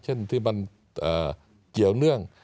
เช่นที่มันเกี่ยวเนื่อง